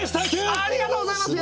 ありがとうございます。